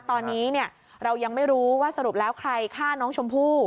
ตอนนี้เรายังไม่รู้ว่าสรุปแล้วใครฆ่าน้องชมพู่